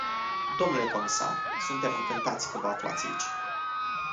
Dle comisar, suntem încântați că vă aflați aici.